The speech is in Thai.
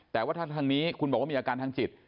แต่ว่าถ้าทางนี้คุณบอกว่ามีอาการทางจิต